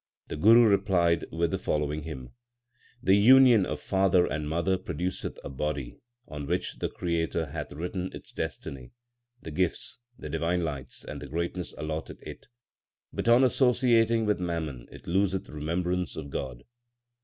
The Guru replied with the following hymn : The union of father and mother produceth a body, On which the Creator hath written its destiny, The gifts, the divine lights, and the greatness allotted it But on associating with mammon it loseth remembrance of God.